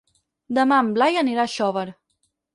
Demà en Blai anirà a Xóvar.